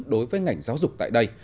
đối với ngành giáo dục tại đây